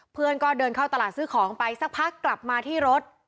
เพื่อนก็เดินเข้าตลาดซื้อของไปสักพักกลับมาที่รถ